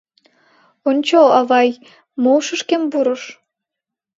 Ончо, авай, мо ушышкем пурыш?